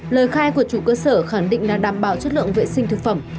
lời khai của chủ cơ sở khẳng định là đảm bảo chất lượng vệ sinh thực phẩm